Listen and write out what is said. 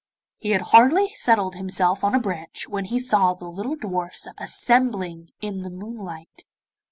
He had hardly settled himself on a branch when he saw the little dwarfs assembling in the moonlight.